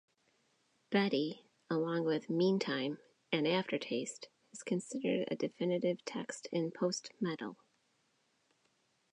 "Betty," along with "Meantime" and "Aftertaste," is considered a definitive text in post-metal.